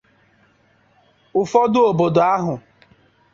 Ụfọdụ obodo ahụ